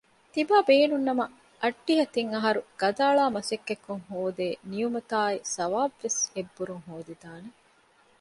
ތިބާބޭނުންނަމަ އައްޑިހަ ތިން އަހަރު ގަދައަޅާ މަސައްކަތްކޮށް ހޯދޭ ނިޢުމަތާއި ޘަވާބުވެސް އެއްބުރުން ހޯދިދާނެ